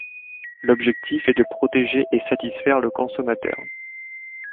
L'objectif est de protéger et satisfaire le consommateur.